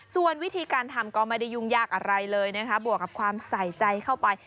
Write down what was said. ส่วนวิธีการทำก็ไม่ได้ยุ่งยากอะไรเลยนะคะบวกกับความใส่ใจเข้าไป